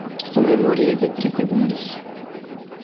Su memoria es de tres segundos.